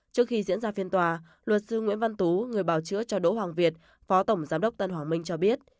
trước khi diễn ra phiên tòa luật sư nguyễn văn tú người bảo chữa cho đỗ hoàng việt phó tổng giám đốc tân hoàng minh cho biết